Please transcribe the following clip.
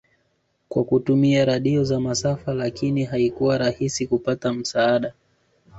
kwa kutumia radio za masafa lakini haikuwa rahisi kupata msaada